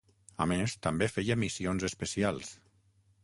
A més, també feia missions especials.